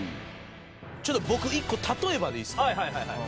ちょっと僕一個例えばでいいですか？